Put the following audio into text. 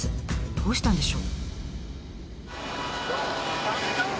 どうしたんでしょう？